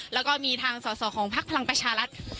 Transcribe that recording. แล้วก็มีทางสอสอของพักพลังประชารัฐ